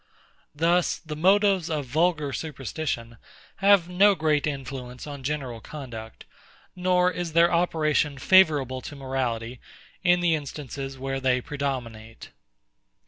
Thus, the motives of vulgar superstition have no great influence on general conduct; nor is their operation favourable to morality, in the instances where they predominate.